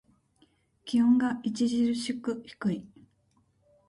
気温が著しく低い。